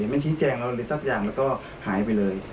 ไม่ชี้แจงอะไรเลยสักอย่างแล้วก็หายไปเลย